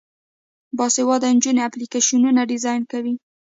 باسواده نجونې اپلیکیشنونه ډیزاین کوي.